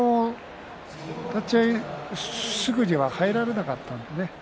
立ち合いすぐには入れられなかったのでね